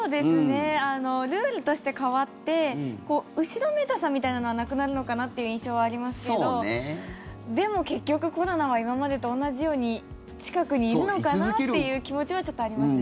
ルールとして変わって後ろめたさみたいなのはなくなるのかなっていう印象はありますけどでも、結局コロナは今までと同じように近くにいるのかなっていう気持ちはちょっとありますね。